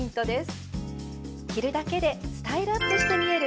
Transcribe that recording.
着るだけでスタイルアップして見える